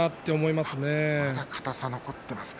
まだ硬さが残っていますか。